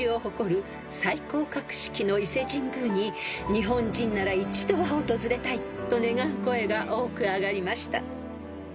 ［日本人なら一度は訪れたい！と願う声が多く上がりました］